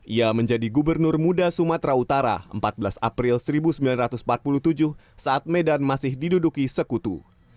ia menjadi gubernur muda sumatera utara empat belas april seribu sembilan ratus empat puluh tujuh saat medan masih diduduki sekutu